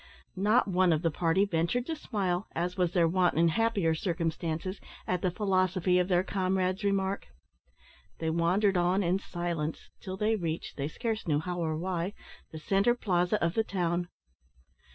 Not one of the party ventured to smile as was their wont in happier circumstances at the philosophy of their comrade's remark. They wandered on in silence till they reached they scarce knew how or why the centre plaza of the town.